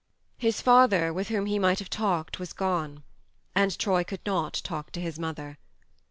His father, with whom he might have talked, was gone ; and Troy could not talk to his mother.